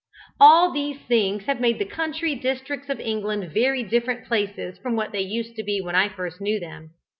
All these things have made the country districts of England very different places from what they used to be when I first knew them.